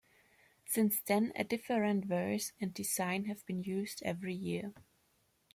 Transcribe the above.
Since then, a different verse and design have been used every year.